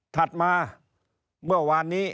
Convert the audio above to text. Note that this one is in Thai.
ถัดมาเมื่อวานนี้